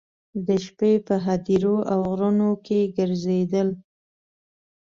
د شپې په هدیرو او غرونو کې ګرځېدل.